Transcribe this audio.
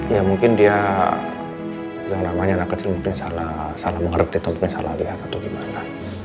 ya mungkin dia yang namanya anak kecil mungkin salah mengerti atau mungkin salah lihat atau gimana